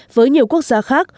với nhiều quốc gia khác